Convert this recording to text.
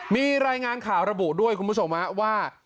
มีรายงานข่าวระบุด้วยคุณผู้ชมว่า